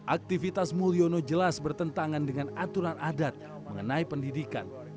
aktivitas mulyono jelas bertentangan dengan aturan adat mengenai pendidikan